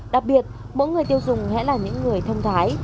đặc biệt mỗi người tiêu dùng hãy là những người thông thái